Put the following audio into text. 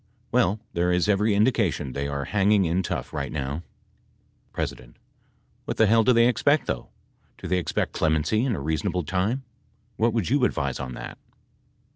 Well there is every indication they are hanging in tough light now. P. What the hell do they expect though ? Do they expect clemency in a reasonable time ? What would you advise on that